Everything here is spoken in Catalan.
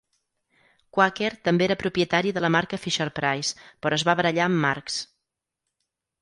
Quaker també era propietari de la marca Fisher-Price, però es va barallar amb Marx.